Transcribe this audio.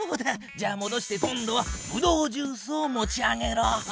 じゃあもどして今度はブドウジュースを持ち上げろ。